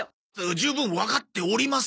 十分わかっております。